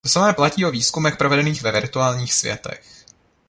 To samé platí o výzkumech provedených ve virtuálních světech.